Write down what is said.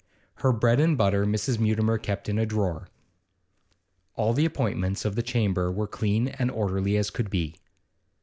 Her bread and butter Mrs. Mutimer kept in a drawer. All the appointments of the chamber were as clean and orderly as could be.